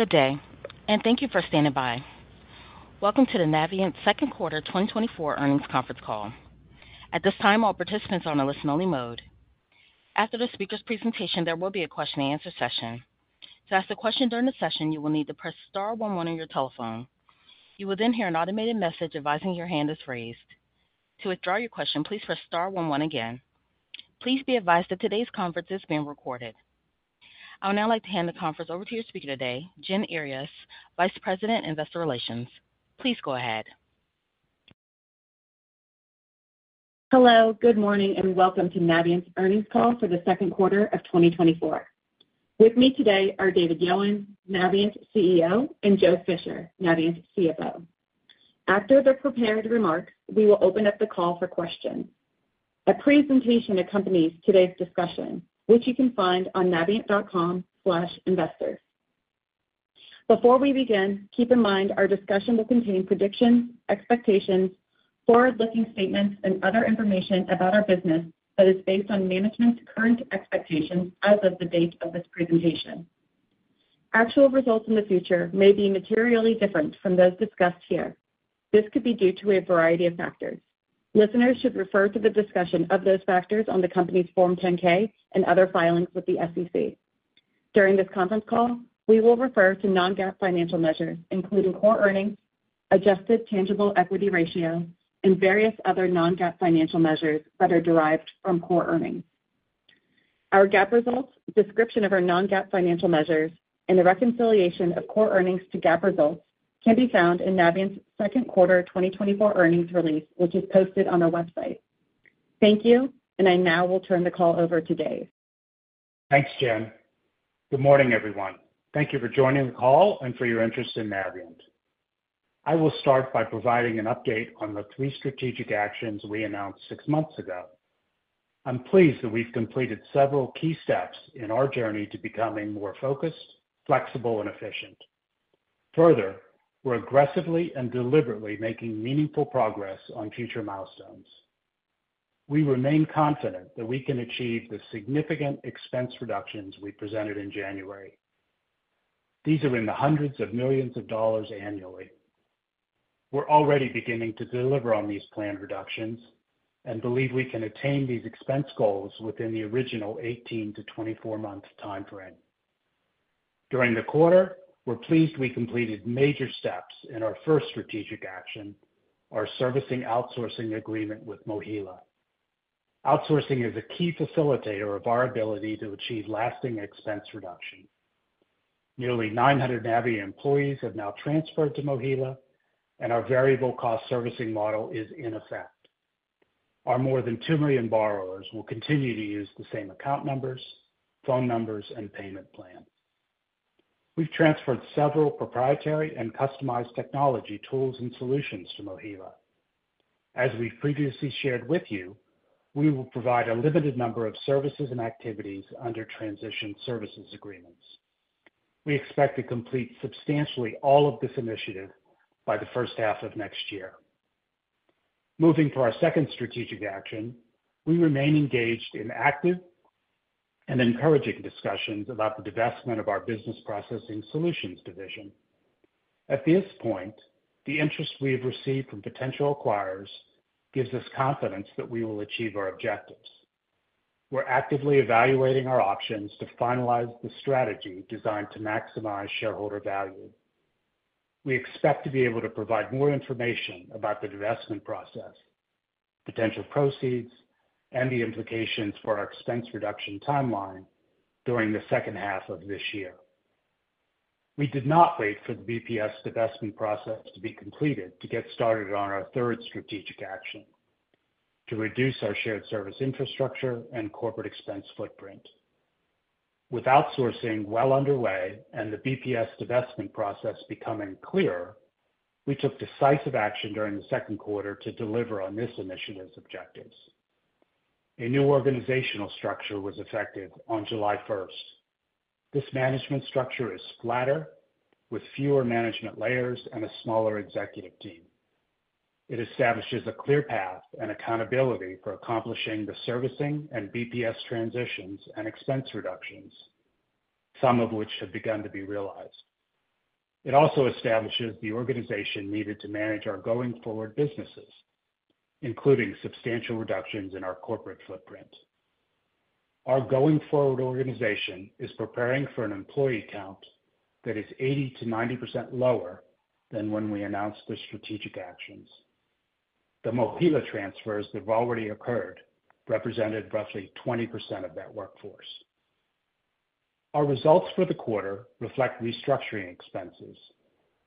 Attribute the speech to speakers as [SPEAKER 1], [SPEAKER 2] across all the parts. [SPEAKER 1] Good day, and thank you for standing by. Welcome to the Navient Second Quarter 2024 Earnings Conference Call. At this time, all participants are on a listen-only mode. After the speaker's presentation, there will be a question-and-answer session. To ask a question during the session, you will need to press star one one on your telephone. You will then hear an automated message advising your hand is raised. To withdraw your question, please press star one one again. Please be advised that today's conference is being recorded. I would now like to hand the conference over to your speaker today, Jen Earyes, Vice President, Investor Relations. Please go ahead.
[SPEAKER 2] Hello, good morning, and welcome to Navient's earnings call for the second quarter of 2024. With me today are David Yowan, Navient's CEO, and Joe Fisher, Navient's CFO. After the prepared remarks, we will open up the call for questions. A presentation accompanies today's discussion, which you can find on navient.com/investors. Before we begin, keep in mind our discussion will contain predictions, expectations, forward-looking statements, and other information about our business that is based on management's current expectations as of the date of this presentation. Actual results in the future may be materially different from those discussed here. This could be due to a variety of factors. Listeners should refer to the discussion of those factors on the company's Form 10-K and other filings with the SEC. During this conference call, we will refer to non-GAAP financial measures, including core earnings, adjusted tangible equity ratio, and various other non-GAAP financial measures that are derived from core earnings. Our GAAP results, description of our non-GAAP financial measures, and the reconciliation of core earnings to GAAP results can be found in Navient's second quarter 2024 earnings release, which is posted on our website. Thank you, and I now will turn the call over to Dave.
[SPEAKER 3] Thanks, Jen. Good morning, everyone. Thank you for joining the call and for your interest in Navient. I will start by providing an update on the three strategic actions we announced six months ago. I'm pleased that we've completed several key steps in our journey to becoming more focused, flexible, and efficient. Further, we're aggressively and deliberately making meaningful progress on future milestones. We remain confident that we can achieve the significant expense reductions we presented in January. These are in the hundreds of millions of dollars annually. We're already beginning to deliver on these planned reductions and believe we can attain these expense goals within the original 18- to 24-month time frame. During the quarter, we're pleased we completed major steps in our first strategic action, our servicing outsourcing agreement with MOHELA. Outsourcing is a key facilitator of our ability to achieve lasting expense reduction. Nearly 900 Navient employees have now transferred to MOHELA, and our variable cost servicing model is in effect. Our more than 2 million borrowers will continue to use the same account numbers, phone numbers, and payment plans. We've transferred several proprietary and customized technology tools and solutions to MOHELA. As we've previously shared with you, we will provide a limited number of services and activities under transition services agreements. We expect to complete substantially all of this initiative by the first half of next year. Moving to our second strategic action, we remain engaged in active and encouraging discussions about the divestment of our Business Processing Solutions division. At this point, the interest we have received from potential acquirers gives us confidence that we will achieve our objectives. We're actively evaluating our options to finalize the strategy designed to maximize shareholder value. We expect to be able to provide more information about the divestment process, potential proceeds, and the implications for our expense reduction timeline during the second half of this year. We did not wait for the BPS divestment process to be completed to get started on our third strategic action: to reduce our shared service infrastructure and corporate expense footprint. With outsourcing well underway and the BPS divestment process becoming clearer, we took decisive action during the second quarter to deliver on this initiative's objectives. A new organizational structure was effective on July first. This management structure is flatter, with fewer management layers and a smaller executive team. It establishes a clear path and accountability for accomplishing the servicing and BPS transitions and expense reductions, some of which have begun to be realized. It also establishes the organization needed to manage our going-forward businesses, including substantial reductions in our corporate footprint. Our going-forward organization is preparing for an employee count that is 80%-90% lower than when we announced the strategic actions. The MOHELA transfers that have already occurred represented roughly 20% of that workforce. Our results for the quarter reflect restructuring expenses,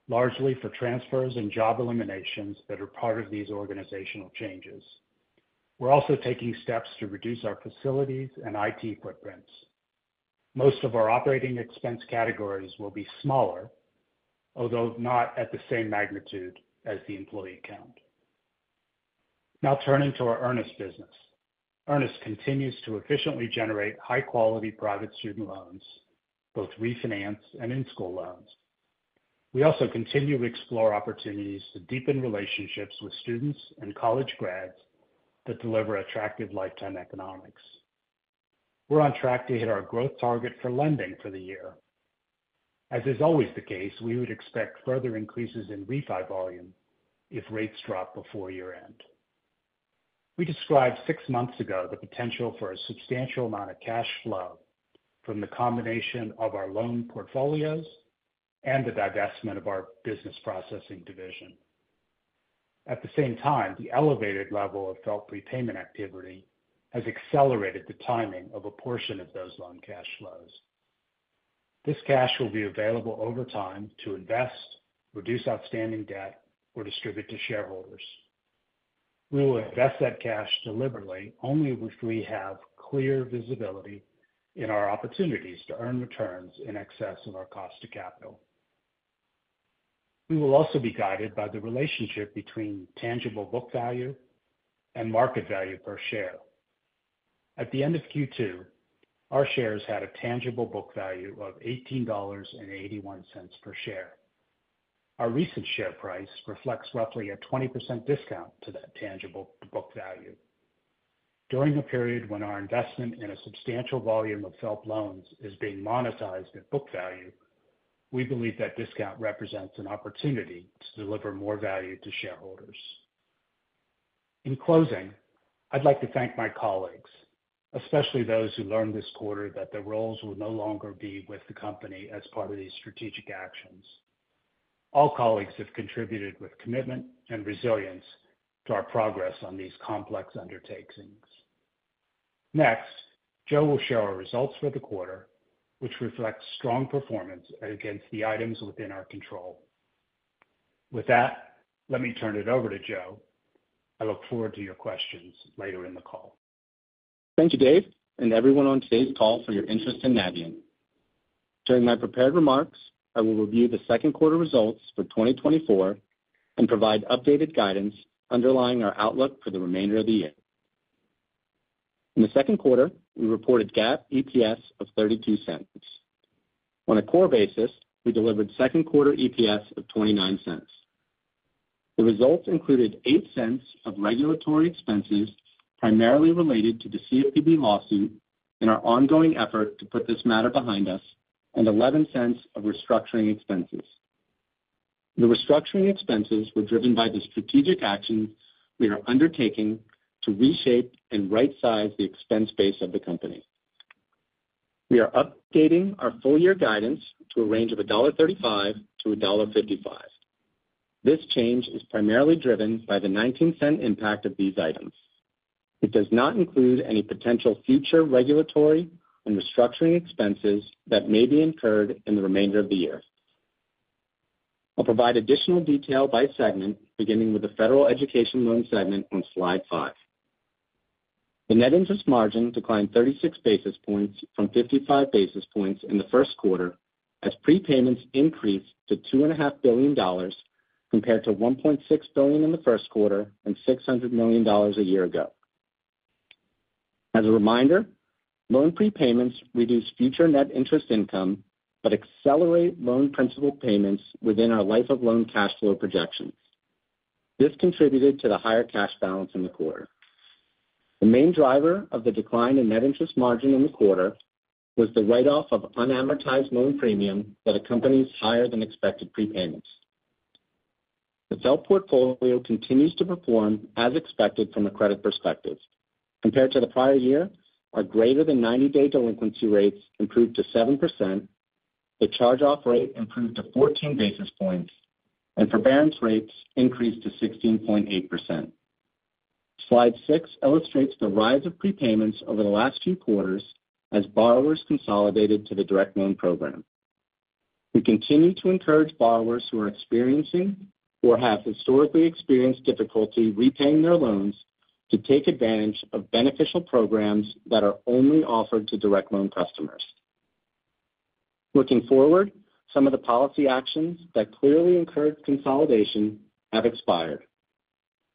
[SPEAKER 3] largely for transfers and job eliminations that are part of these organizational changes. We're also taking steps to reduce our facilities and IT footprints. Most of our operating expense categories will be smaller, although not at the same magnitude as the employee count. Now turning to our Earnest business. Earnest continues to efficiently generate high-quality private student loans, both refinance and in-school loans. We also continue to explore opportunities to deepen relationships with students and college grads that deliver attractive lifetime economics.... We're on track to hit our growth target for lending for the year. As is always the case, we would expect further increases in refi volume if rates drop before year-end. We described six months ago the potential for a substantial amount of cash flow from the combination of our loan portfolios and the divestment of our business processing division. At the same time, the elevated level of FFELP prepayment activity has accelerated the timing of a portion of those loan cash flows. This cash will be available over time to invest, reduce outstanding debt, or distribute to shareholders. We will invest that cash deliberately, only if we have clear visibility in our opportunities to earn returns in excess of our cost to capital. We will also be guided by the relationship between tangible book value and market value per share. At the end of Q2, our shares had a tangible book value of $18.81 per share. Our recent share price reflects roughly a 20% discount to that tangible book value. During a period when our investment in a substantial volume of FFELP loans is being monetized at book value, we believe that discount represents an opportunity to deliver more value to shareholders. In closing, I'd like to thank my colleagues, especially those who learned this quarter that their roles will no longer be with the company as part of these strategic actions. All colleagues have contributed with commitment and resilience to our progress on these complex undertakings. Next, Joe will share our results for the quarter, which reflects strong performance against the items within our control. With that, let me turn it over to Joe. I look forward to your questions later in the call.
[SPEAKER 4] Thank you, Dave, and everyone on today's call for your interest in Navient. During my prepared remarks, I will review the second quarter results for 2024 and provide updated guidance underlying our outlook for the remainder of the year. In the second quarter, we reported GAAP EPS of $0.32. On a core basis, we delivered second quarter EPS of $0.29. The results included $0.08 of regulatory expenses, primarily related to the CFPB lawsuit and our ongoing effort to put this matter behind us, and $0.11 of restructuring expenses. The restructuring expenses were driven by the strategic actions we are undertaking to reshape and rightsize the expense base of the company. We are updating our full-year guidance to a range of $1.35-$1.55. This change is primarily driven by the $0.19 impact of these items. It does not include any potential future regulatory and restructuring expenses that may be incurred in the remainder of the year. I'll provide additional detail by segment, beginning with the Federal Education Loans segment on slide five. The net interest margin declined 36 basis points from 55 basis points in the first quarter, as prepayments increased to $2.5 billion, compared to $1.6 billion in the first quarter and $600 million a year ago. As a reminder, loan prepayments reduce future net interest income, but accelerate loan principal payments within our life of loan cash flow projections. This contributed to the higher cash balance in the quarter. The main driver of the decline in net interest margin in the quarter was the write-off of unamortized loan premium that accompanies higher than expected prepayments. The FFELP portfolio continues to perform as expected from a credit perspective. Compared to the prior year, our greater than 90-day delinquency rates improved to 7%, the charge-off rate improved to 14 basis points, and forbearance rates increased to 16.8%. Slide six illustrates the rise of prepayments over the last few quarters as borrowers consolidated to the Direct Loan program. We continue to encourage borrowers who are experiencing or have historically experienced difficulty repaying their loans, to take advantage of beneficial programs that are only offered to Direct Loan customers. Looking forward, some of the policy actions that clearly encourage consolidation have expired.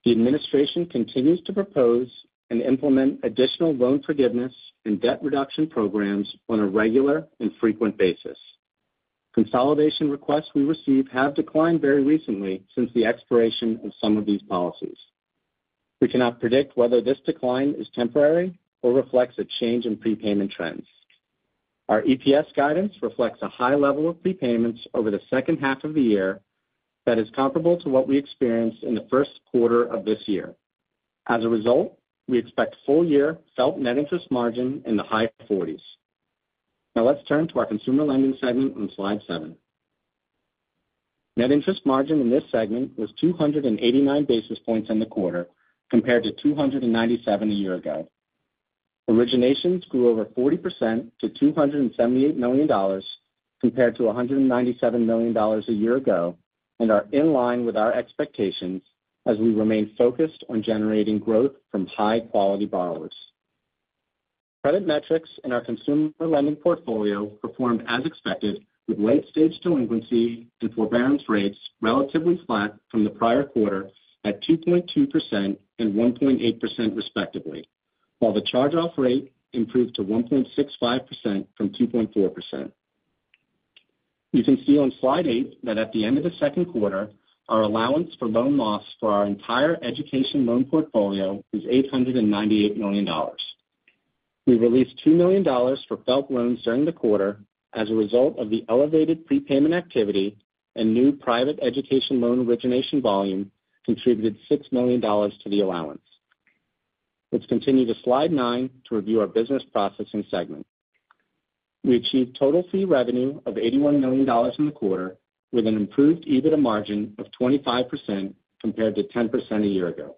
[SPEAKER 4] The administration continues to propose and implement additional loan forgiveness and debt reduction programs on a regular and frequent basis. Consolidation requests we receive have declined very recently since the expiration of some of these policies. We cannot predict whether this decline is temporary or reflects a change in prepayment trends. Our EPS guidance reflects a high level of prepayments over the second half of the year that is comparable to what we experienced in the first quarter of this year. As a result, we expect full-year FFELP net interest margin in the high forties. Now let's turn to our Consumer Lending segment on slide 7. Net interest margin in this segment was 289 basis points in the quarter, compared to 297 a year ago. Originations grew over 40% to $278 million, compared to $197 million a year ago, and are in line with our expectations as we remain focused on generating growth from high-quality borrowers. Credit metrics in our consumer lending portfolio performed as expected, with late-stage delinquency and forbearance rates relatively flat from the prior quarter at 2.2% and 1.8%, respectively, while the charge-off rate improved to 1.65% from 2.4%. You can see on slide eight that at the end of the second quarter, our allowance for loan loss for our entire education loan portfolio was $898 million. We released $2 million for FFELP loans during the quarter as a result of the elevated prepayment activity, and new private education loan origination volume contributed $6 million to the allowance. Let's continue to slide nine to review our Business Processing segment. We achieved total fee revenue of $81 million in the quarter, with an improved EBITDA margin of 25% compared to 10% a year ago.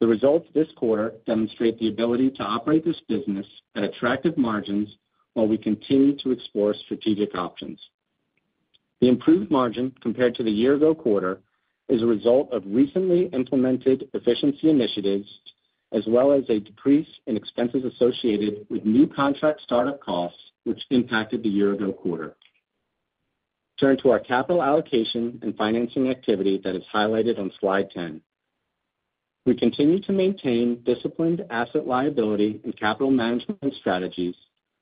[SPEAKER 4] The results this quarter demonstrate the ability to operate this business at attractive margins while we continue to explore strategic options. The improved margin compared to the year-ago quarter is a result of recently implemented efficiency initiatives, as well as a decrease in expenses associated with new contract startup costs, which impacted the year-ago quarter. Turning to our capital allocation and financing activity that is highlighted on Slide 10. We continue to maintain disciplined asset liability and capital management strategies,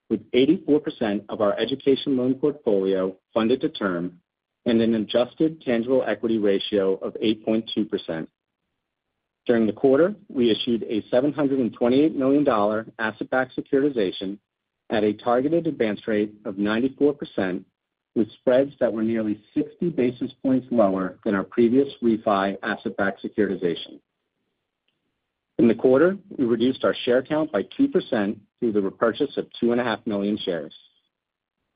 [SPEAKER 4] with 84% of our education loan portfolio funded to term and an Adjusted Tangible Equity Ratio of 8.2%. During the quarter, we issued a $728 million asset-backed securitization at a targeted advance rate of 94%, with spreads that were nearly 60 basis points lower than our previous refi asset-backed securitization. In the quarter, we reduced our share count by 2% through the repurchase of 2.5 million shares.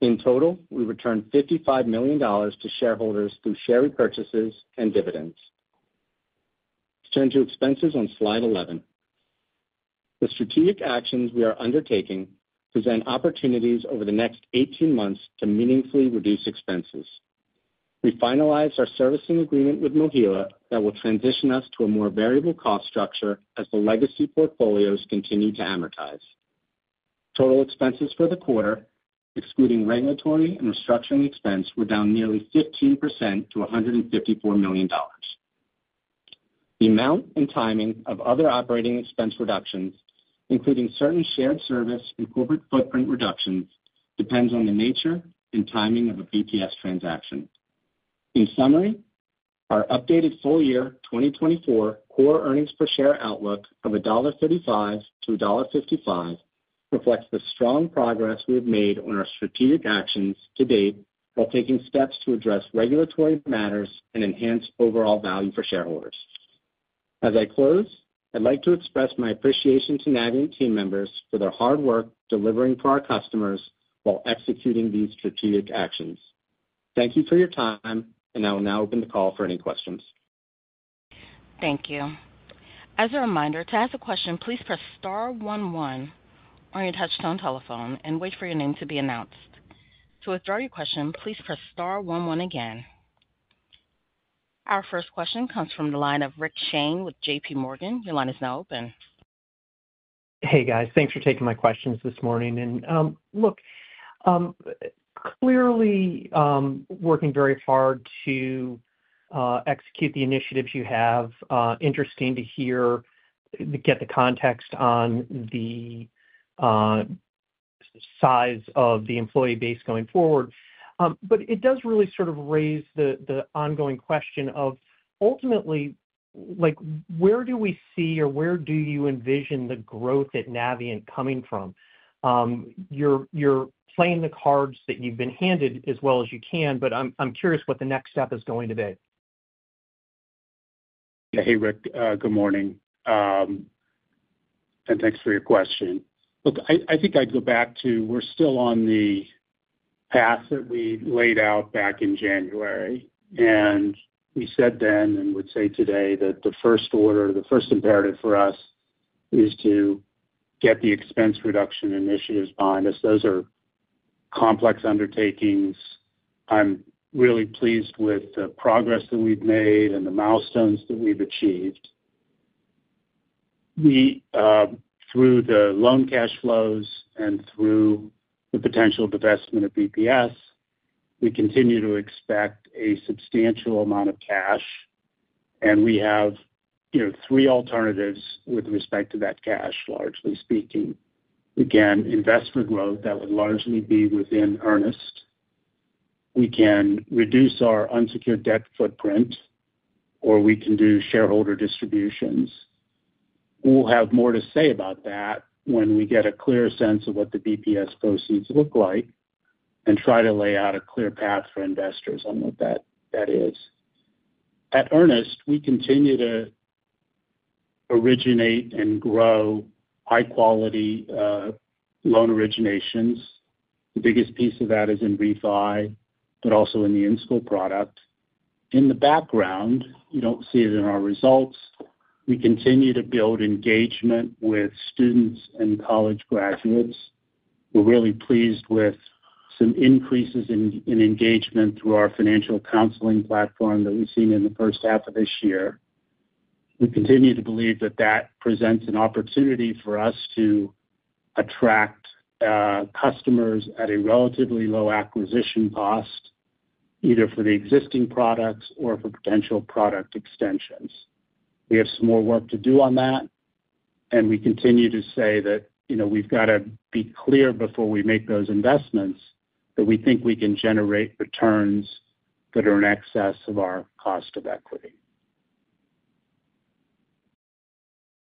[SPEAKER 4] In total, we returned $55 million to shareholders through share repurchases and dividends. Let's turn to expenses on Slide 11. The strategic actions we are undertaking present opportunities over the next 18 months to meaningfully reduce expenses. We finalized our servicing agreement with MOHELA that will transition us to a more variable cost structure as the legacy portfolios continue to amortize. Total expenses for the quarter, excluding regulatory and restructuring expense, were down nearly 15% to $154 million. The amount and timing of other operating expense reductions, including certain shared service and corporate footprint reductions, depends on the nature and timing of a BPS transaction. In summary, our updated full-year 2024 core earnings per share outlook of $1.35-$1.55 reflects the strong progress we have made on our strategic actions to date, while taking steps to address regulatory matters and enhance overall value for shareholders. As I close, I'd like to express my appreciation to Navient team members for their hard work delivering for our customers while executing these strategic actions. Thank you for your time, and I will now open the call for any questions.
[SPEAKER 1] Thank you. As a reminder, to ask a question, please press star one one on your touchtone telephone and wait for your name to be announced. To withdraw your question, please press star one one again. Our first question comes from the line of Rick Shane with JPMorgan. Your line is now open.
[SPEAKER 5] Hey, guys. Thanks for taking my questions this morning. And, look, clearly, working very hard to execute the initiatives you have, interesting to hear, get the context on the size of the employee base going forward. But it does really sort of raise the ongoing question of ultimately, like, where do we see or where do you envision the growth at Navient coming from? You're playing the cards that you've been handed as well as you can, but I'm curious what the next step is going to be.
[SPEAKER 3] Hey, Rick, good morning. Thanks for your question. Look, I think I'd go back to we're still on the path that we laid out back in January, and we said then and would say today, that the first order, the first imperative for us is to get the expense reduction initiatives behind us. Those are complex undertakings. I'm really pleased with the progress that we've made and the milestones that we've achieved. We, through the loan cash flows and through the potential divestment of BPS, we continue to expect a substantial amount of cash, and we have, you know, three alternatives with respect to that cash, largely speaking. We can invest for growth that would largely be within Earnest. We can reduce our unsecured debt footprint, or we can do shareholder distributions. We'll have more to say about that when we get a clearer sense of what the BPS proceeds look like and try to lay out a clear path for investors on what that, that is. At Earnest, we continue to originate and grow high quality, loan originations. The biggest piece of that is in refi, but also in the in-school product. In the background, you don't see it in our results, we continue to build engagement with students and college graduates. We're really pleased with some increases in engagement through our financial counseling platform that we've seen in the first half of this year. We continue to believe that that presents an opportunity for us to attract, customers at a relatively low acquisition cost, either for the existing products or for potential product extensions. We have some more work to do on that.... and we continue to say that, you know, we've got to be clear before we make those investments, that we think we can generate returns that are in excess of our cost of equity.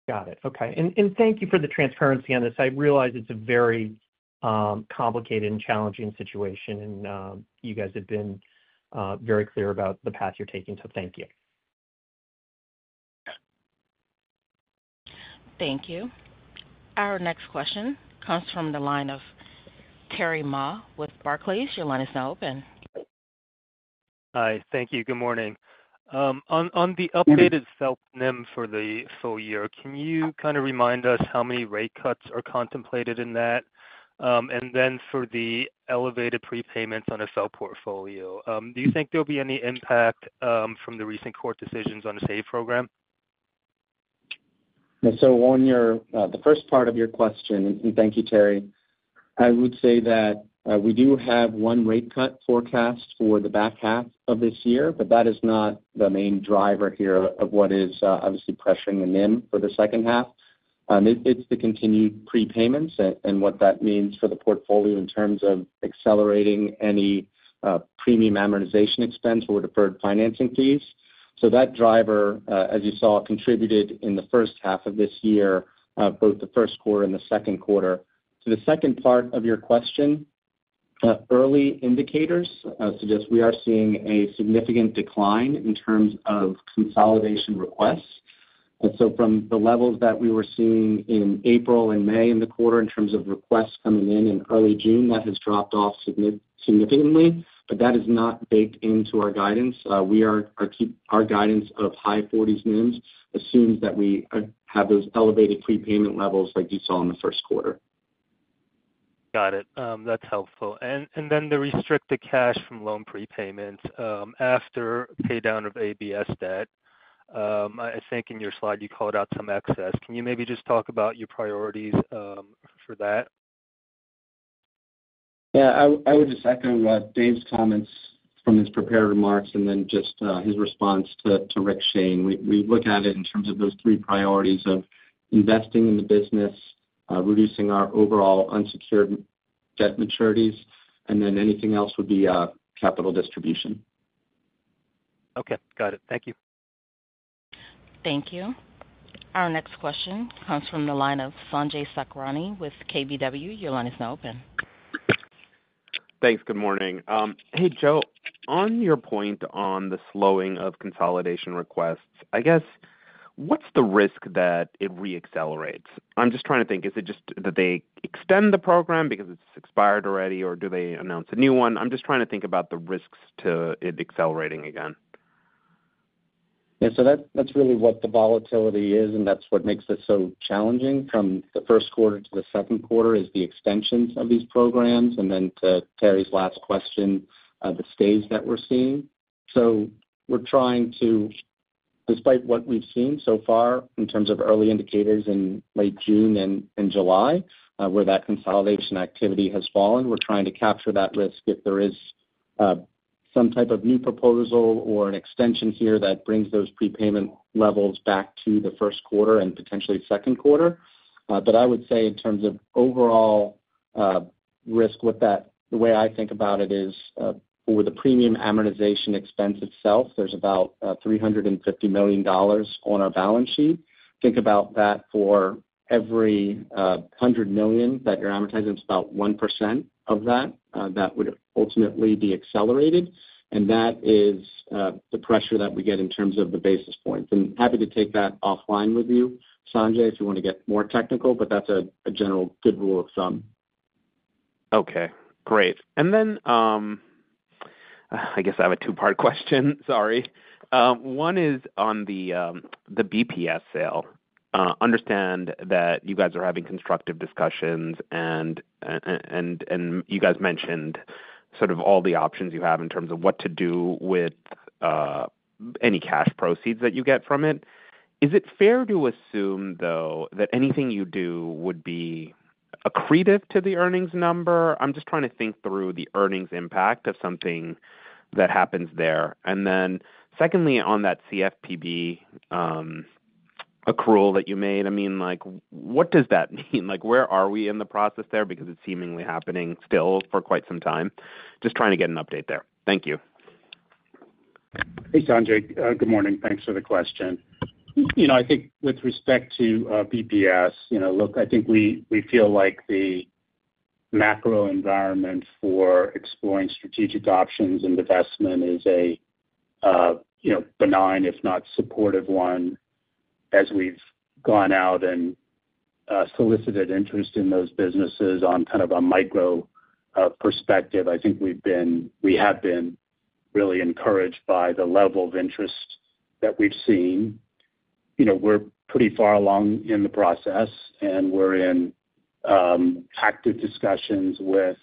[SPEAKER 5] Got it. Okay. And thank you for the transparency on this. I realize it's a very complicated and challenging situation, and you guys have been very clear about the path you're taking, so thank you.
[SPEAKER 1] Thank you. Our next question comes from the line of Terry Ma with Barclays. Your line is now open.
[SPEAKER 6] Hi. Thank you. Good morning. On the updated SLM NIM for the full year, can you kind of remind us how many rate cuts are contemplated in that? And then for the elevated prepayments on a SLM portfolio, do you think there'll be any impact from the recent court decisions on the SAVE program?
[SPEAKER 3] So on your, the first part of your question, and thank you, Terry, I would say that, we do have one rate cut forecast for the back half of this year, but that is not the main driver here of what is, obviously pressuring the NIM for the second half. It, it's the continued prepayments and, and what that means for the portfolio in terms of accelerating any, premium amortization expense or deferred financing fees. So that driver, as you saw, contributed in the first half of this year, both the first quarter and the second quarter. To the second part of your question, early indicators, suggest we are seeing a significant decline in terms of consolidation requests. From the levels that we were seeing in April and May in the quarter, in terms of requests coming in in early June, that has dropped off significantly, but that is not baked into our guidance. We are keeping our guidance of high forties NIMs, which assumes that we have those elevated prepayment levels like you saw in the first quarter.
[SPEAKER 6] Got it. That's helpful. And then the restricted cash from loan prepayment, after paydown of ABS debt. I think in your slide, you called out some excess. Can you maybe just talk about your priorities, for that?
[SPEAKER 4] Yeah. I would just echo Dave's comments from his prepared remarks and then just his response to Rick Shane. We look at it in terms of those three priorities of investing in the business, reducing our overall unsecured debt maturities, and then anything else would be capital distribution.
[SPEAKER 6] Okay, got it. Thank you.
[SPEAKER 1] Thank you. Our next question comes from the line of Sanjay Sakhrani with KBW. Your line is now open.
[SPEAKER 7] Thanks. Good morning. Hey, Joe, on your point on the slowing of consolidation requests, I guess, what's the risk that it re-accelerates? I'm just trying to think. Is it just that they extend the program because it's expired already, or do they announce a new one? I'm just trying to think about the risks to it accelerating again.
[SPEAKER 4] Yeah, so that's really what the volatility is, and that's what makes it so challenging from the first quarter to the second quarter, is the extensions of these programs, and then to Terry's last question, the stays that we're seeing. So we're trying to—despite what we've seen so far in terms of early indicators in late June and July, where that consolidation activity has fallen, we're trying to capture that risk if there is some type of new proposal or an extension here that brings those prepayment levels back to the first quarter and potentially second quarter. But I would say in terms of overall risk with that, the way I think about it is, with the premium amortization expense itself, there's about $350 million on our balance sheet. Think about that for every $100 million that you're amortizing, it's about 1% of that that would ultimately be accelerated, and that is the pressure that we get in terms of the basis points. I'm happy to take that offline with you, Sanjay, if you want to get more technical, but that's a general good rule of thumb.
[SPEAKER 7] Okay, great. And then I guess I have a two-part question. Sorry. One is on the BPS sale. Understand that you guys are having constructive discussions and you guys mentioned sort of all the options you have in terms of what to do with any cash proceeds that you get from it. Is it fair to assume, though, that anything you do would be accretive to the earnings number? I'm just trying to think through the earnings impact of something that happens there. And then secondly, on that CFPB accrual that you made, I mean, like, what does that mean? Like, where are we in the process there? Because it's seemingly happening still for quite some time. Just trying to get an update there. Thank you.
[SPEAKER 3] Hey, Sanjay, good morning. Thanks for the question. You know, I think with respect to BPS, you know, look, I think we feel like the macro environment for exploring strategic options and divestment is a you know benign, if not supportive one. As we've gone out and solicited interest in those businesses on kind of a micro perspective, I think we have been really encouraged by the level of interest that we've seen. You know, we're pretty far along in the process, and we're in active discussions with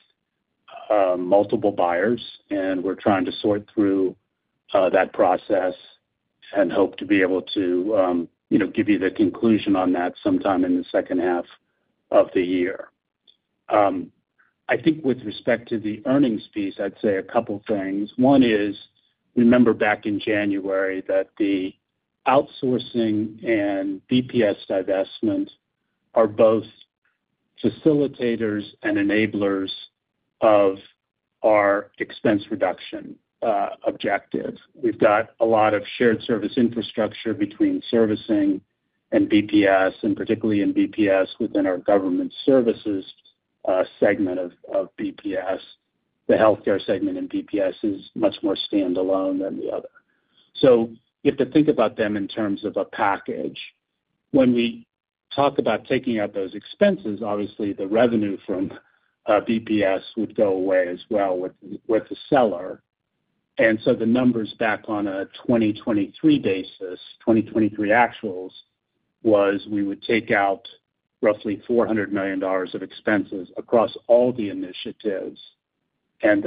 [SPEAKER 3] multiple buyers, and we're trying to sort through that process and hope to be able to you know give you the conclusion on that sometime in the second half of the year. I think with respect to the earnings piece, I'd say a couple things. One is, remember back in January that the outsourcing and BPS divestment are both facilitators and enablers of our expense reduction objective. We've got a lot of shared service infrastructure between servicing and BPS, and particularly in BPS within our Government Services segment of BPS. The Healthcare segment in BPS is much more standalone than the other. So you have to think about them in terms of a package. When we talk about taking out those expenses, obviously, the revenue from BPS would go away as well with the seller. And so the numbers back on a 2023 basis, 2023 actuals, was we would take out roughly $400 million of expenses across all the initiatives, and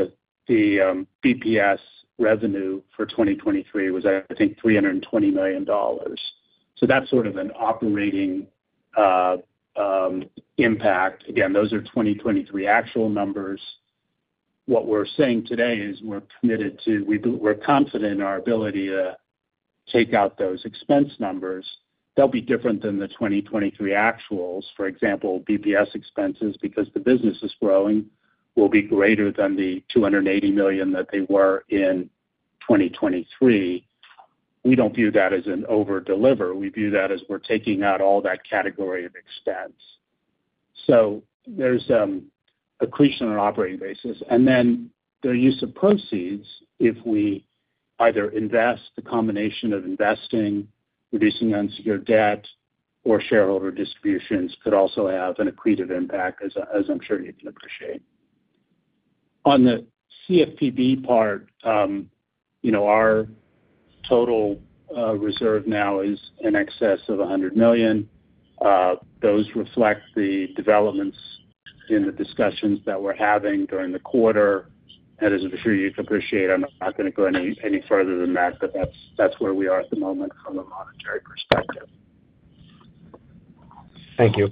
[SPEAKER 3] the BPS revenue for 2023 was, I think, $320 million. So that's sort of an operating impact. Again, those are 2023 actual numbers. What we're saying today is we're committed to—we're confident in our ability to take out those expense numbers. They'll be different than the 2023 actuals. For example, BPS expenses, because the business is growing, will be greater than the $280 million that they were in 2023. We don't view that as an over-deliver. We view that as we're taking out all that category of expense. So there's accretion on an operating basis. And then the use of proceeds, if we either invest the combination of investing, reducing unsecured debt or shareholder distributions, could also have an accretive impact, as I'm sure you can appreciate. On the CFPB part, you know, our total reserve now is in excess of $100 million. Those reflect the developments in the discussions that we're having during the quarter. And as I'm sure you'd appreciate, I'm not gonna go any further than that, but that's where we are at the moment from a monetary perspective.
[SPEAKER 7] Thank you.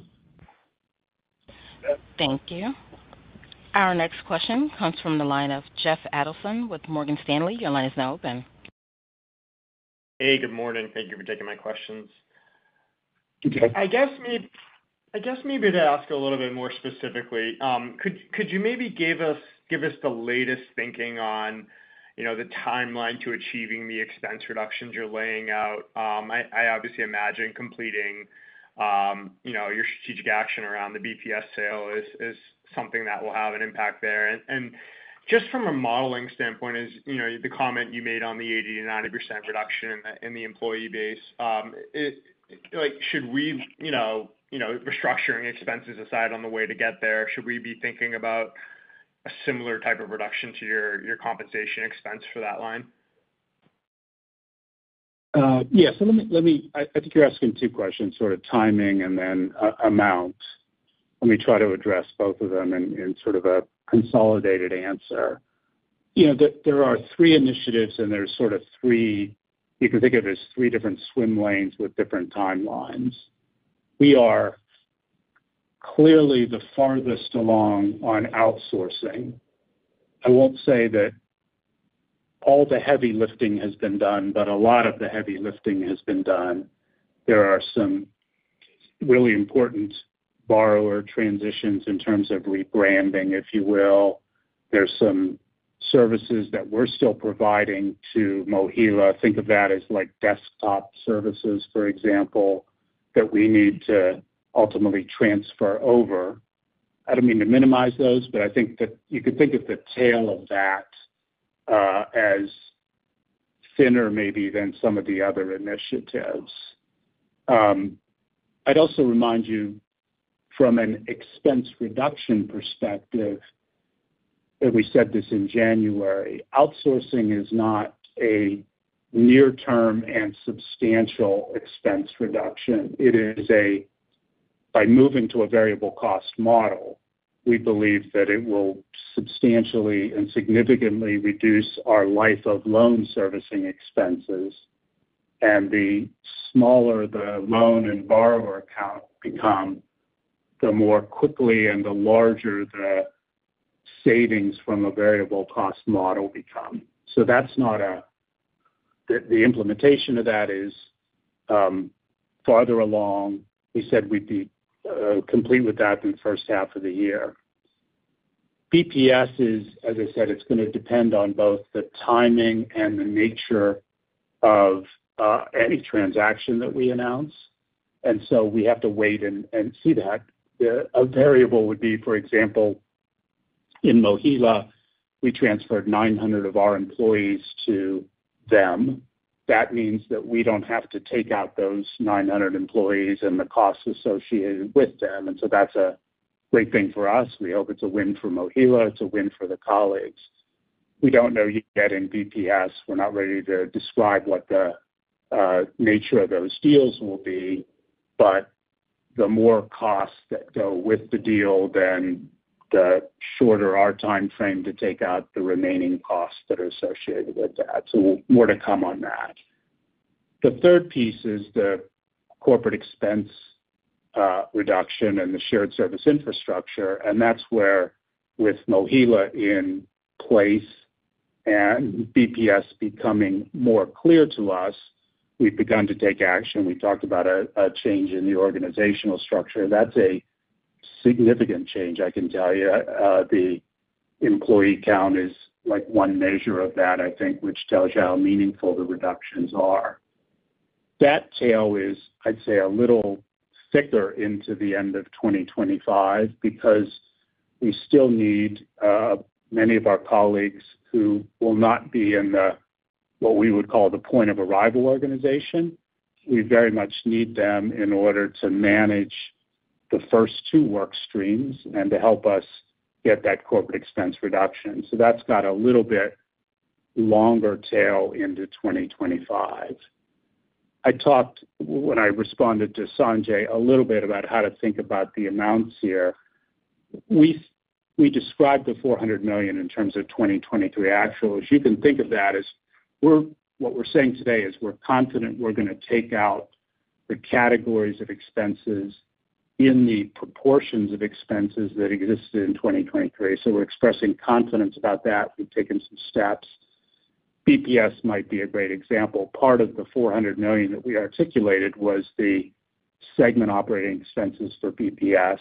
[SPEAKER 1] Thank you. Our next question comes from the line of Jeffrey Adelson with Morgan Stanley. Your line is now open.
[SPEAKER 8] Hey, good morning. Thank you for taking my questions.
[SPEAKER 3] Okay.
[SPEAKER 8] I guess maybe to ask a little bit more specifically, could you maybe give us the latest thinking on, you know, the timeline to achieving the expense reductions you're laying out? I obviously imagine completing, you know, your strategic action around the BPS sale is something that will have an impact there. And just from a modeling standpoint, as you know, the comment you made on the 80%-90% reduction in the employee base, like, should we, you know, restructuring expenses aside on the way to get there, should we be thinking about a similar type of reduction to your compensation expense for that line?
[SPEAKER 3] Yeah. So let me, let me... I think you're asking two questions, sort of timing and then amount. Let me try to address both of them in sort of a consolidated answer. You know, there are three initiatives, and there's sort of three-- you can think of it as three different swim lanes with different timelines. We are clearly the farthest along on outsourcing. I won't say that all the heavy lifting has been done, but a lot of the heavy lifting has been done. There are some really important borrower transitions in terms of rebranding, if you will. There's some services that we're still providing to MOHELA. Think of that as like desktop services, for example, that we need to ultimately transfer over. I don't mean to minimize those, but I think that you could think of the tail of that, as thinner maybe than some of the other initiatives. I'd also remind you from an expense reduction perspective that we said this in January, outsourcing is not a near-term and substantial expense reduction. It is a, by moving to a variable cost model, we believe that it will substantially and significantly reduce our life of loan servicing expenses, and the smaller the loan and borrower account become, the more quickly and the larger the savings from a variable cost model become. So that's not a, the implementation of that is, farther along. We said we'd be complete with that in the first half of the year. BPS is, as I said, it's gonna depend on both the timing and the nature of any transaction that we announce, and so we have to wait and see that. A variable would be, for example, in MOHELA, we transferred 900 of our employees to them. That means that we don't have to take out those 900 employees and the costs associated with them, and so that's a great thing for us. We hope it's a win for MOHELA. It's a win for the colleagues. We don't know yet in BPS. We're not ready to describe what the nature of those deals will be, but the more costs that go with the deal, then the shorter our timeframe to take out the remaining costs that are associated with that. So more to come on that. The third piece is the corporate expense reduction and the shared service infrastructure, and that's where with MOHELA in place and BPS becoming more clear to us, we've begun to take action. We talked about a change in the organizational structure. That's a significant change, I can tell you. The employee count is like one measure of that, I think, which tells you how meaningful the reductions are. That tail is, I'd say, a little thicker into the end of 2025 because we still need many of our colleagues who will not be in the, what we would call the point-of-arrival organization. We very much need them in order to manage the first two work streams and to help us get that corporate expense reduction. So that's got a little bit longer tail into 2025. I talked, when I responded to Sanjay, a little bit about how to think about the amounts here. We, we described the $400 million in terms of 2023 actuals. You can think of that as we're—what we're saying today is we're confident we're gonna take out the categories of expenses in the proportions of expenses that existed in 2023. So we're expressing confidence about that. We've taken some steps. BPS might be a great example. Part of the $400 million that we articulated was the segment operating expenses for BPS.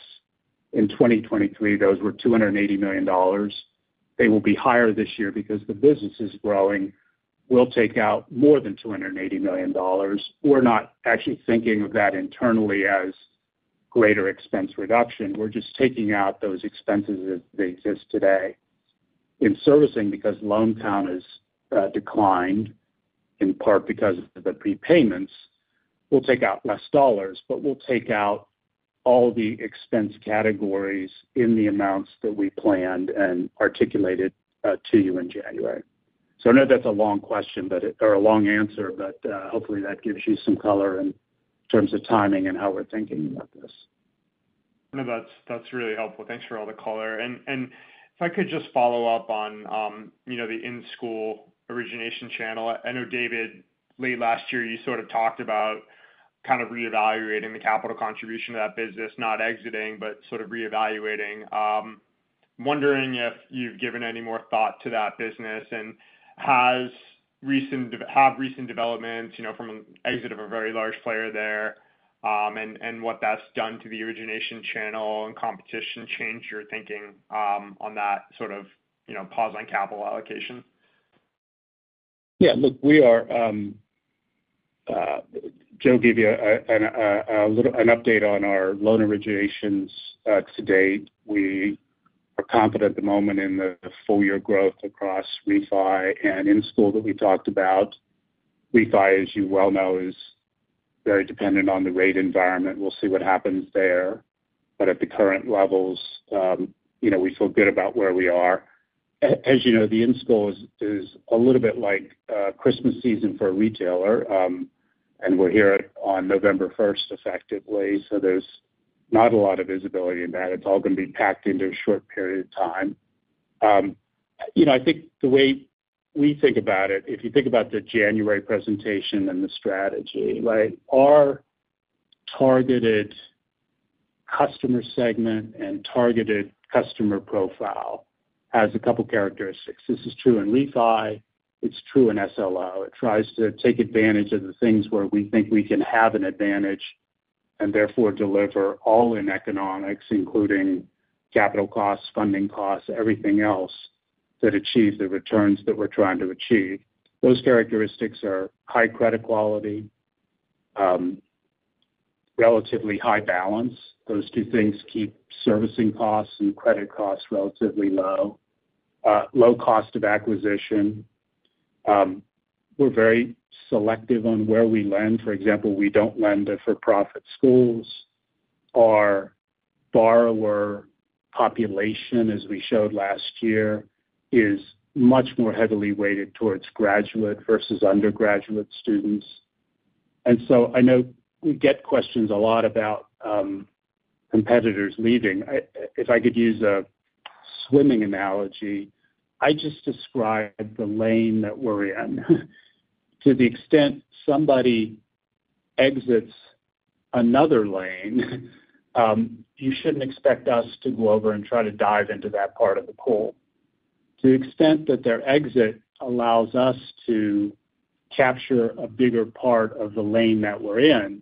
[SPEAKER 3] In 2023, those were $280 million. They will be higher this year because the business is growing. We'll take out more than $280 million. We're not actually thinking of that internally as greater expense reduction. We're just taking out those expenses as they exist today. In servicing, because loan count has declined, in part because of the prepayments, we'll take out less dollars, but we'll take out all the expense categories in the amounts that we planned and articulated to you in January. So I know that's a long question, but or a long answer, but hopefully that gives you some color in terms of timing and how we're thinking about this.
[SPEAKER 8] No, that's, that's really helpful. Thanks for all the color. And, and if I could just follow up on, you know, the in-school origination channel. I know, David, late last year, you sort of talked about kind of reevaluating the capital contribution to that business, not exiting, but sort of reevaluating. Wondering if you've given any more thought to that business, and have recent developments, you know, from an exit of a very large player there, and, and what that's done to the origination channel and competition changed your thinking, on that sort of, you know, pause on capital allocation?
[SPEAKER 3] Yeah, look, we are, Joe gave you a little update on our loan originations to date. We are confident at the moment in the full year growth across refi and in-school that we talked about. Refi, as you well know, is very dependent on the rate environment. We'll see what happens there. But at the current levels, you know, we feel good about where we are. As you know, the in-school is a little bit like Christmas season for a retailer, and we're here on November first, effectively, so there's not a lot of visibility in that. It's all gonna be packed into a short period of time. You know, I think the way we think about it, if you think about the January presentation and the strategy, right? Our targeted customer segment and targeted customer profile has a couple characteristics. This is true in refi, it's true in SLO. It tries to take advantage of the things where we think we can have an advantage and therefore deliver all-in economics, including capital costs, funding costs, everything else, that achieve the returns that we're trying to achieve. Those characteristics are high credit quality, relatively high balance. Those two things keep servicing costs and credit costs relatively low. Low cost of acquisition. We're very selective on where we lend. For example, we don't lend to for-profit schools. Our borrower population, as we showed last year, is much more heavily weighted towards graduate versus undergraduate students. And so I know we get questions a lot about competitors leaving. If I could use a swimming analogy, I just described the lane that we're in. To the extent somebody exits another lane, you shouldn't expect us to go over and try to dive into that part of the pool. To the extent that their exit allows us to capture a bigger part of the lane that we're in,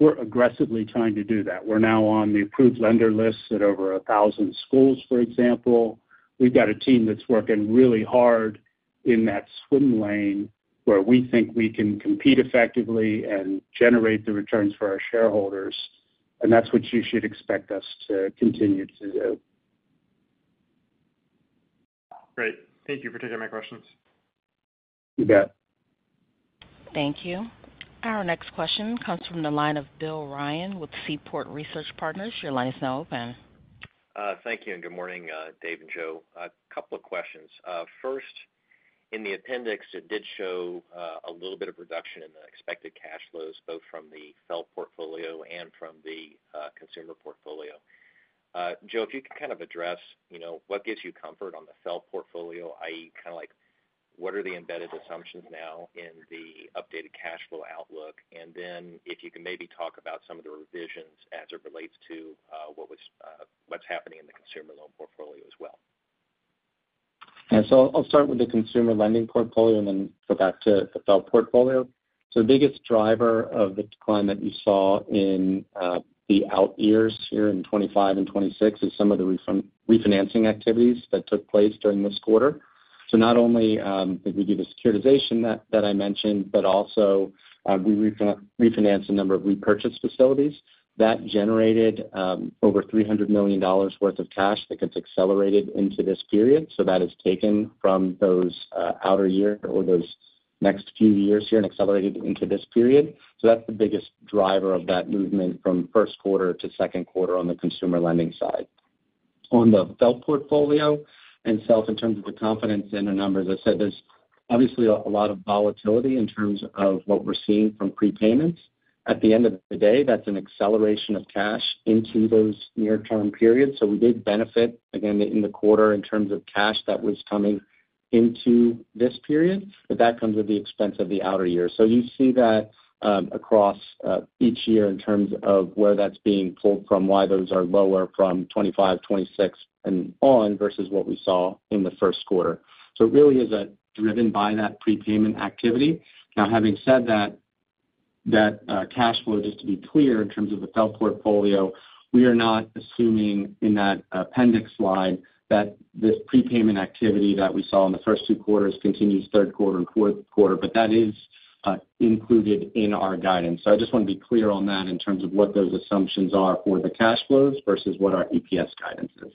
[SPEAKER 3] we're aggressively trying to do that. We're now on the approved lender list at over 1,000 schools, for example. We've got a team that's working really hard in that swim lane, where we think we can compete effectively and generate the returns for our shareholders, and that's what you should expect us to continue to do.
[SPEAKER 8] Great. Thank you for taking my questions.
[SPEAKER 3] You bet.
[SPEAKER 1] Thank you. Our next question comes from the line of Bill Ryan with Seaport Research Partners. Your line is now open.
[SPEAKER 9] Thank you, and good morning, Dave and Joe. A couple of questions. First, in the appendix, it did show a little bit of reduction in the expected cash flows, both from the FFEL portfolio and from the consumer portfolio. Joe, if you could kind of address, you know, what gives you comfort on the FFEL portfolio, i.e., kind of like, what are the embedded assumptions now in the updated cash flow outlook? And then if you can maybe talk about some of the revisions as it relates to what's happening in the consumer loan portfolio as well.
[SPEAKER 4] Yeah, so I'll start with the consumer lending portfolio and then go back to the FFEL portfolio. So the biggest driver of the decline that you saw in the out years here in 2025 and 2026 is some of the refinancing activities that took place during this quarter. So not only did we do the securitization that I mentioned, but also we refinanced a number of repurchase facilities. That generated over $300 million worth of cash that gets accelerated into this period. So that is taken from those outer year or those next few years here and accelerated into this period. So that's the biggest driver of that movement from first quarter to second quarter on the consumer lending side. On the FFEL portfolio, and itself in terms of the confidence in the numbers, I said there's obviously a lot of volatility in terms of what we're seeing from prepayments. At the end of the day, that's an acceleration of cash into those near-term periods. So we did benefit again in the quarter in terms of cash that was coming into this period, but that comes at the expense of the outer year. So you see that across each year in terms of where that's being pulled from, why those are lower from 2025, 2026, and on, versus what we saw in the first quarter. So it really is driven by that prepayment activity. Now, having said that, that, cash flow, just to be clear in terms of the FFEL portfolio, we are not assuming in that appendix slide that this prepayment activity that we saw in the first two quarters continues third quarter and fourth quarter, but that is, included in our guidance. So I just want to be clear on that in terms of what those assumptions are for the cash flows versus what our EPS guidance is.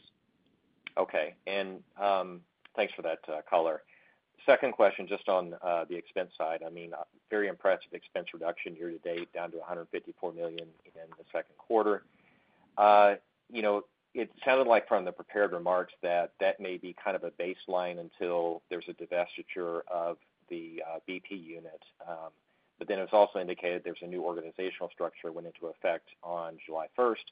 [SPEAKER 9] Okay. Thanks for that, color. Second question, just on the expense side. I mean, very impressed with expense reduction year to date, down to $154 million in the second quarter. You know, it sounded like from the prepared remarks that that may be kind of a baseline until there's a divestiture of the BP unit. But then it's also indicated there's a new organizational structure went into effect on July 1st,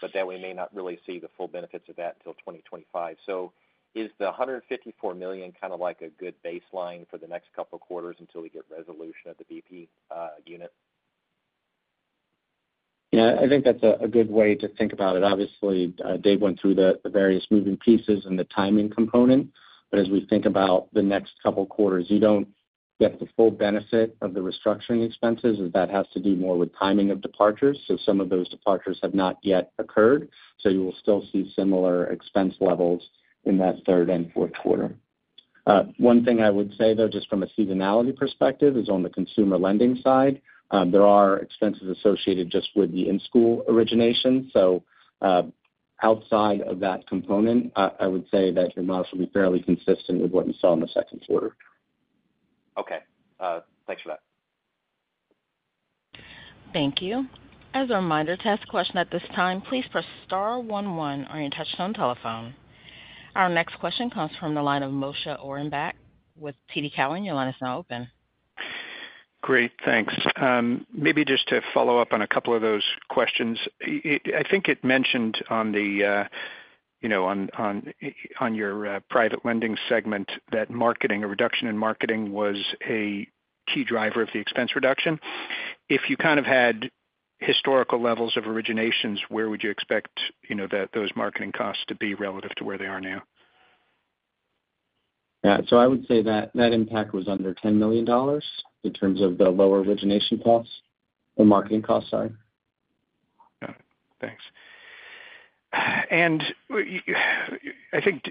[SPEAKER 9] but that we may not really see the full benefits of that until 2025. So is the $154 million kind of like a good baseline for the next couple of quarters until we get resolution of the BP unit?
[SPEAKER 4] Yeah, I think that's a good way to think about it. Obviously, Dave went through the various moving pieces and the timing component. But as we think about the next couple of quarters, you don't get the full benefit of the restructuring expenses, as that has to do more with timing of departures. So some of those departures have not yet occurred, so you will still see similar expense levels in that third and fourth quarter. One thing I would say, though, just from a seasonality perspective, is on the consumer lending side, there are expenses associated just with the in-school origination. So, outside of that component, I would say that your models will be fairly consistent with what you saw in the second quarter.
[SPEAKER 9] Okay. Thanks for that.
[SPEAKER 1] Thank you. As a reminder, to ask a question at this time, please press star one one on your touchtone telephone. Our next question comes from the line of Moshe Orenbuch with TD Cowen. Your line is now open.
[SPEAKER 10] Great, thanks. Maybe just to follow up on a couple of those questions. I think it mentioned on the, you know, on your private lending segment, that marketing, a reduction in marketing was a key driver of the expense reduction. If you kind of had historical levels of originations, where would you expect, you know, that those marketing costs to be relative to where they are now?
[SPEAKER 4] Yeah. So I would say that that impact was under $10 million in terms of the lower origination costs, or marketing costs, sorry.
[SPEAKER 10] Got it. Thanks. And I think,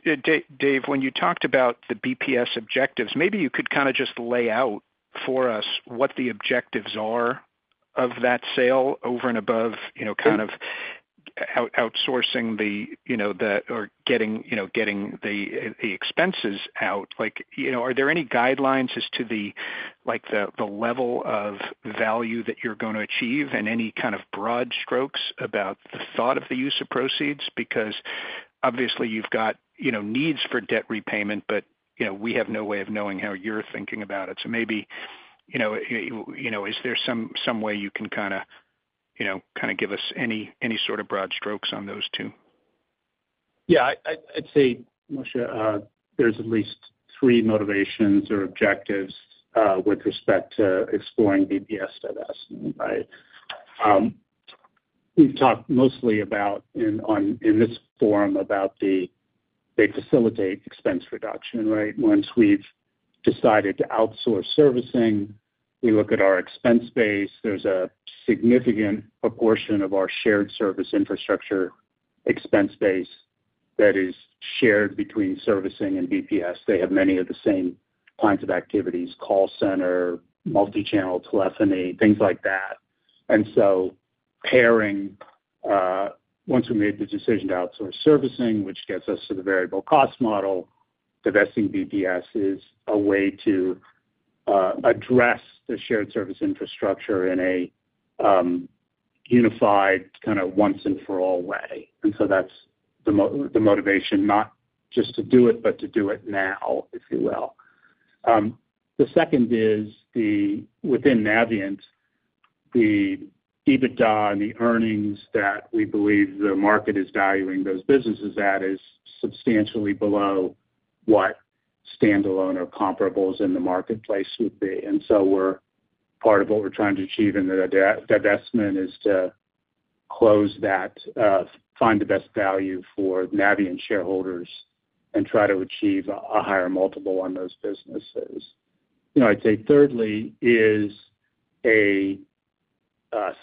[SPEAKER 10] Dave, when you talked about the BPS objectives, maybe you could kind of just lay out for us what the objectives are of that sale over and above, you know, kind of-
[SPEAKER 4] Mm...
[SPEAKER 10] outsourcing the, you know, the, or getting, you know, getting the expenses out. Like, you know, are there any guidelines as to the, like, the level of value that you're going to achieve and any kind of broad strokes about the thought of the use of proceeds? Because obviously you've got, you know, needs for debt repayment, but, you know, we have no way of knowing how you're thinking about it. So maybe, you know, you know, is there some way you can kind of, you know, kind of give us any sort of broad strokes on those two?
[SPEAKER 3] Yeah, I'd say, Moshe, there's at least three motivations or objectives with respect to exploring BPS divestment, right? We've talked mostly about in this forum about they facilitate expense reduction, right? Once we've decided to outsource servicing, we look at our expense base. There's a significant proportion of our shared service infrastructure expense base that is shared between servicing and BPS. They have many of the same kinds of activities, call center, multi-channel telephony, things like that. And so once we made the decision to outsource servicing, which gets us to the variable cost model, divesting BPS is a way to address the shared service infrastructure in a unified, kind of once-and-for-all way. And so that's the motivation, not just to do it, but to do it now, if you will. The second is the, within Navient, the EBITDA and the earnings that we believe the market is valuing those businesses at is substantially below what standalone or comparables in the marketplace would be. And so, part of what we're trying to achieve in the divestment is to close that, find the best value for Navient shareholders and try to achieve a higher multiple on those businesses. You know, I'd say thirdly is a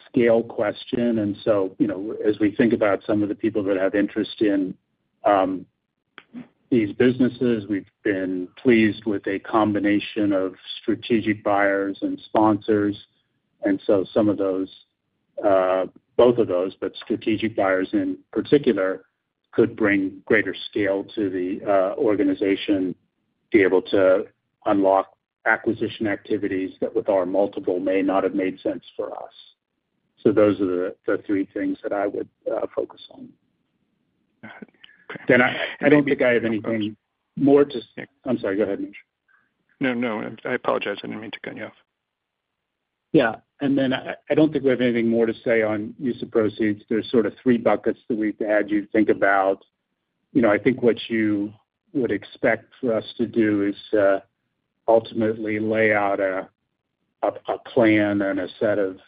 [SPEAKER 3] scale question. And so, you know, as we think about some of the people that have interest in these businesses, we've been pleased with a combination of strategic buyers and sponsors. And so some of those both of those, but strategic buyers in particular, could bring greater scale to the organization, be able to unlock acquisition activities that, with our multiple, may not have made sense for us. So those are the three things that I would focus on. Then I don't think I have anything more to say. I'm sorry, go ahead, Moshe.
[SPEAKER 10] No, no, I apologize. I didn't mean to cut you off.
[SPEAKER 3] Yeah. And then I don't think we have anything more to say on use of proceeds. There's sort of three buckets that we've had you think about. You know, I think what you would expect for us to do is ultimately lay out a plan and a set of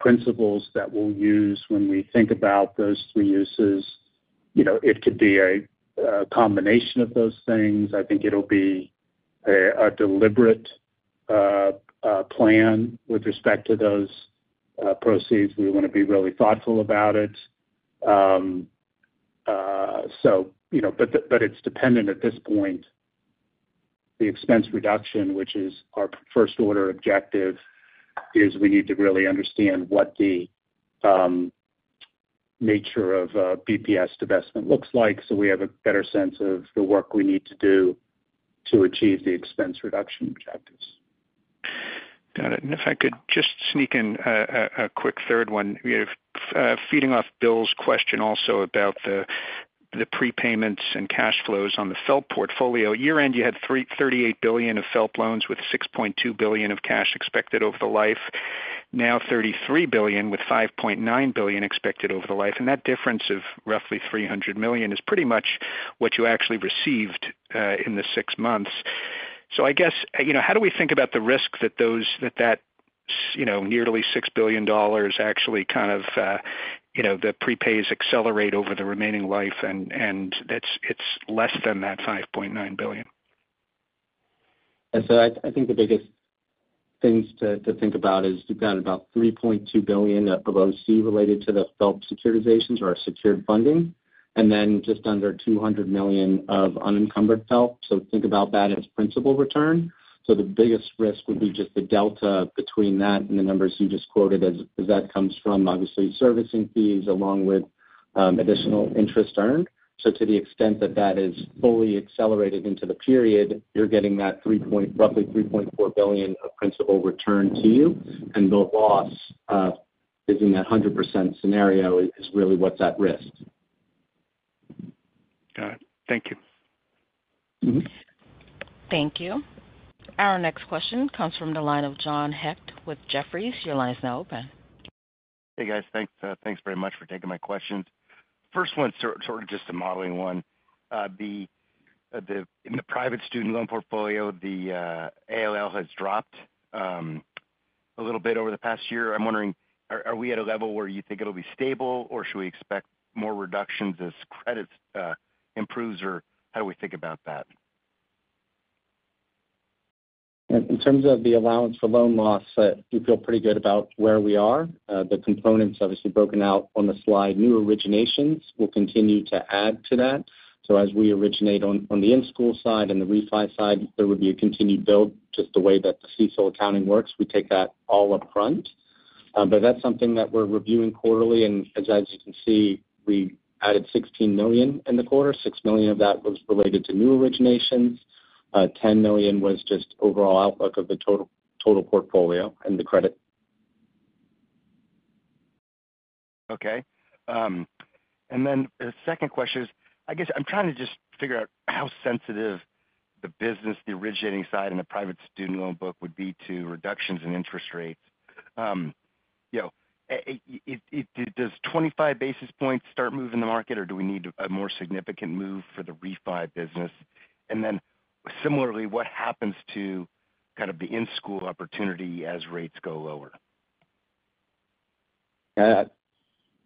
[SPEAKER 3] principles that we'll use when we think about those three uses. You know, it could be a combination of those things. I think it'll be a deliberate plan with respect to those proceeds. We want to be really thoughtful about it. So, you know, but the, but it's dependent at this point. The expense reduction, which is our first order objective, is we need to really understand what the nature of BPS divestment looks like, so we have a better sense of the work we need to do to achieve the expense reduction objectives.
[SPEAKER 10] Got it. And if I could just sneak in a quick third one. We have, feeding off Bill's question also about the prepayments and cash flows on the FFELP portfolio. Year end, you had $38 billion of FFELP loans with $6.2 billion of cash expected over the life, now $33 billion with $5.9 billion expected over the life, and that difference of roughly $300 million is pretty much what you actually received in the six months. So I guess, you know, how do we think about the risk that those nearly $6 billion dollars actually kind of, you know, the prepays accelerate over the remaining life and it's less than that $5.9 billion?
[SPEAKER 4] I think the biggest things to think about is we've got about $3.2 billion of OC related to the FFELP securitizations or our secured funding, and then just under $200 million of unencumbered FFELP, so think about that as principal return. So the biggest risk would be just the delta between that and the numbers you just quoted as that comes from, obviously, servicing fees along with additional interest earned. So to the extent that that is fully accelerated into the period, you're getting that roughly $3.4 billion of principal return to you, and the loss is in that 100% scenario is really what's at risk.
[SPEAKER 10] Got it. Thank you.
[SPEAKER 4] Mm-hmm.
[SPEAKER 1] Thank you. Our next question comes from the line of John Hecht with Jefferies. Your line is now open.
[SPEAKER 11] Hey, guys, thanks, thanks very much for taking my questions. First one's sort of just a modeling one. The ALL in the private student loan portfolio has dropped a little bit over the past year. I'm wondering, are we at a level where you think it'll be stable, or should we expect more reductions as credit improves? Or how do we think about that?
[SPEAKER 4] In terms of the allowance for loan loss, we feel pretty good about where we are. The components, obviously broken out on the slide, new originations will continue to add to that. So as we originate on the in-school side and the refi side, there would be a continued build, just the way that the CECL accounting works. We take that all up front. But that's something that we're reviewing quarterly, and as you can see, we added $16 million in the quarter. $6 million of that was related to new originations. $10 million was just overall outlook of the total portfolio and the credit.
[SPEAKER 11] Okay. And then the second question is, I guess I'm trying to just figure out how sensitive the business, the originating side, and the private student loan book would be to reductions in interest rates. You know, does 25 basis points start moving the market, or do we need a more significant move for the refi business? And then similarly, what happens to kind of the in-school opportunity as rates go lower?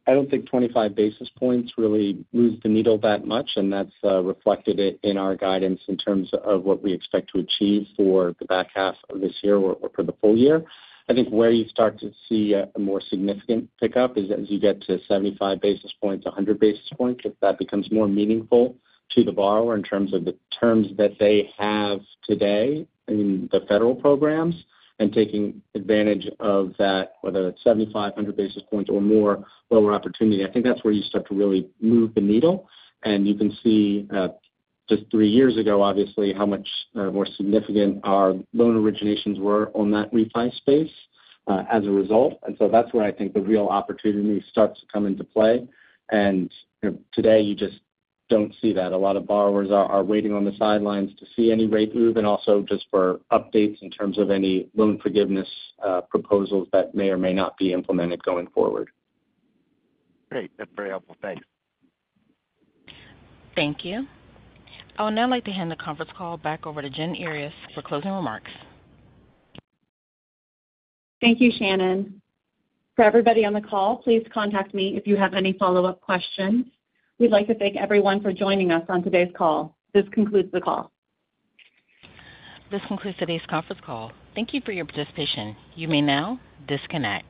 [SPEAKER 4] I don't think 25 basis points really moves the needle that much, and that's reflected in our guidance in terms of what we expect to achieve for the back half of this year or for the full year. I think where you start to see a more significant pickup is as you get to 75 basis points, 100 basis points, if that becomes more meaningful to the borrower in terms of the terms that they have today in the federal programs, and taking advantage of that, whether it's 75, 100 basis points or more lower opportunity. I think that's where you start to really move the needle, and you can see just 3 years ago, obviously, how much more significant our loan originations were on that refi space, as a result. And so that's where I think the real opportunity starts to come into play. You know, today you just don't see that. A lot of borrowers are waiting on the sidelines to see any rate move, and also just for updates in terms of any loan forgiveness proposals that may or may not be implemented going forward.
[SPEAKER 11] Great. That's very helpful. Thanks.
[SPEAKER 1] Thank you. I would now like to hand the conference call back over to Jen Earyes for closing remarks.
[SPEAKER 2] Thank you, Shannon. For everybody on the call, please contact me if you have any follow-up questions. We'd like to thank everyone for joining us on today's call. This concludes the call.
[SPEAKER 1] This concludes today's conference call. Thank you for your participation. You may now disconnect.